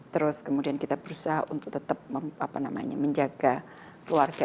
terus kemudian kita berusaha untuk tetap menjaga keluarga